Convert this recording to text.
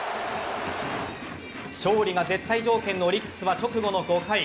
勝利が絶対条件のオリックスは直後の５回。